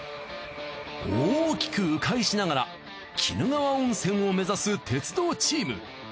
大きく迂回しながら鬼怒川温泉を目指す鉄道チーム。